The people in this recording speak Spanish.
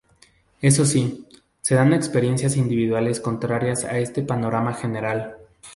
Eso sí, se dan experiencias individuales contrarias a este panorama general.